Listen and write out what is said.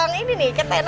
langsung aja kita lihat